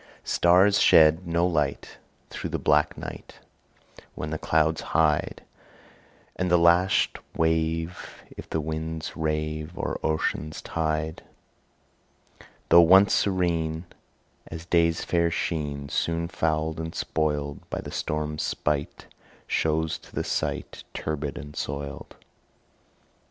Stars shed no light Through the black night, When the clouds hide; And the lashed wave, If the winds rave O'er ocean's tide, Though once serene As day's fair sheen, Soon fouled and spoiled By the storm's spite, Shows to the sight Turbid and soiled.